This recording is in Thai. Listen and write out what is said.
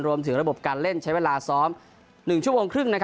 รวมถึงระบบการเล่นใช้เวลาซ้อม๑ชั่วโมงครึ่ง